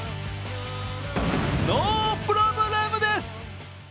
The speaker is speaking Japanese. ノープロブレムです！